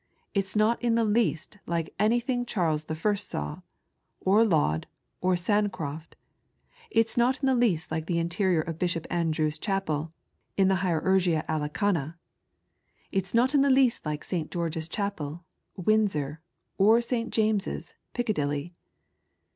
It's not in the least like anything Charles the First saw, or Laud, or Sancroft. It's not in the least like the interior of Bishop Andrews's Chapel, in the Hierurgia Anglioana. It's not in the least like St. George's Chapel, Windsor, or St. James's, Piccadilly."